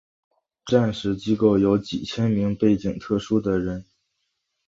这些战时机构有几千名背景特殊的人。